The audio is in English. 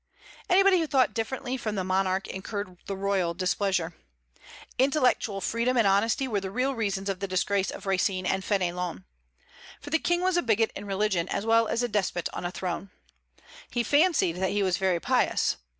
Anybody who thought differently from the monarch incurred the royal displeasure. Intellectual freedom and honesty were the real reasons of the disgrace of Racine and Fénelon. For the King was a bigot in religion as well as a despot on a throne. He fancied that he was very pious.